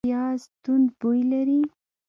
پیاز توند بوی لري